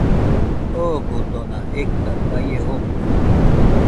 Ogodona eka baie joma